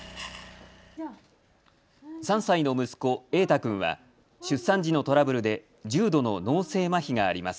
３歳の息子、瑛太君は出産時のトラブルで重度の脳性まひがあります。